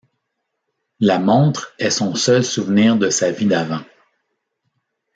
La montre est son seul souvenir de sa vie d'avant.